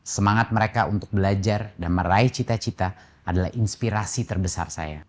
semangat mereka untuk belajar dan meraih cita cita adalah inspirasi terbesar saya